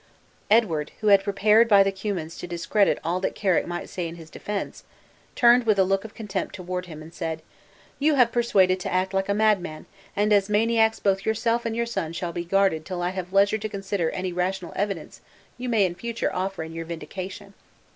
Edward, who had prepared by the Cummins to discredit all that Carrick might say in his defense, turned with a look of contempt toward him, and said, "You have persuaded to act like a madman, and as maniacs both yourself and your son shall be guarded till I have leisure to consider any rational evidence you may in future offer in your vindication."